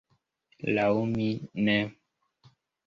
Laŭ mi ne.